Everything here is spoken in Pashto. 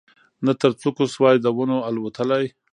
نه تر څوکو سوای د ونو الوتلای